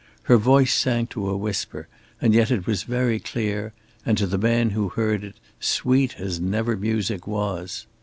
Her voice sank to a whisper, and yet was very clear and, to the man who heard it, sweet as never music was.